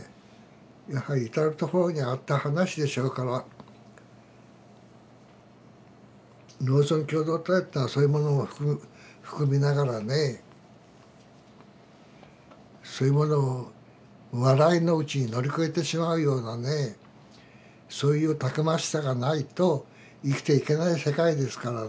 やはり至る所にあった話でしょうから農村共同体っていうのはそういうものを含みながらねそういうものを笑いのうちに乗り越えてしまうようなねそういうたくましさがないと生きていけない世界ですからね。